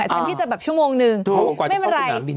ฉันที่จะแบบชั่วโมงนึงไม่เป็นไร